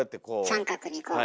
三角にこう。